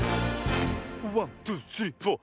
ワントゥスリーフォー。